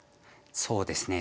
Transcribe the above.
そうですね。